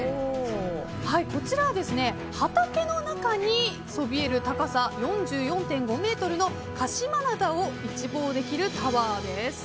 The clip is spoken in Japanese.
こちらは畑の中にそびえる高さ４４．５ｍの鹿島灘を一望できるタワーです。